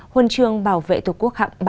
huân trương bảo vệ thuộc quốc hạng ba